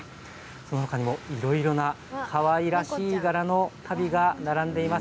この他にもいろいろなかわいらしい柄の足袋が並んでいます。